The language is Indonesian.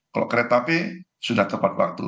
kalau kereta api sudah tepat waktu